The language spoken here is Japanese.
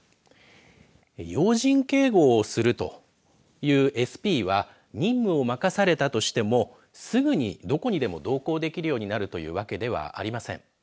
要人警護をするというＳＰは任務を任されたとしてもすぐにどこにでも同行できるようになるというわけではありません。